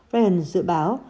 ryan dự báo